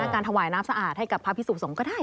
การถวายน้ำสะอาดให้ภาพิสูฆ์ทรงก็ได้